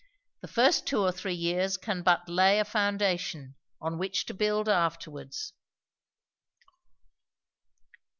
The first two or three years can but lay a foundation, on which to build afterwards."